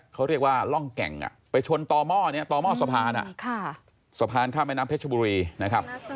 เขาเรียกว่าร่องแก่งไปชนต่อหม้อนี้ต่อหม้อสะพานสะพานข้ามแม่น้ำเพชรบุรีนะครับ